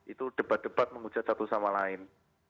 itu debat debat menghujat satu sama lain